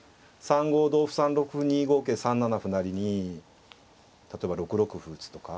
３五同歩３六歩２五桂３七歩成に例えば６六歩打つとか。